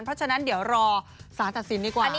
เพราะฉะนั้นเดี๋ยวรอสารตัดสินดีกว่า